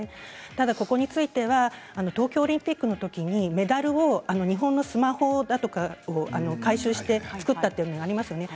ただここについては東京オリンピックのときにメダルを日本のスマホだとかを回収して作ったというのがありますよね。